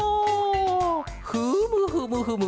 ふむふむふむ。